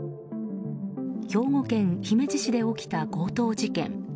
兵庫県姫路市で起きた強盗事件。